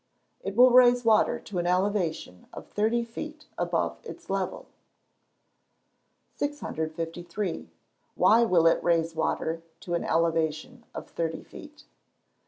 _ It will raise water to an elevation of thirty feet above its level. 653. _Why will it raise water to an elevation of thirty feet?